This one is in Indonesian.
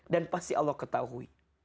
dan pasti allah ketahui